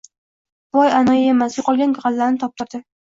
Boy anoyi emas yo‘qolgan g‘allani toptirdi.